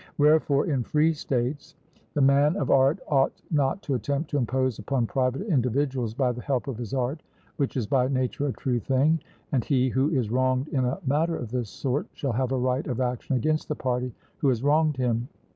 Wherefore, in free states the man of art ought not to attempt to impose upon private individuals by the help of his art, which is by nature a true thing; and he who is wronged in a matter of this sort, shall have a right of action against the party who has wronged him.